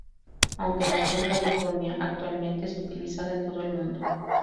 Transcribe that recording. Aunque nació en California, actualmente es utilizada en todo el mundo.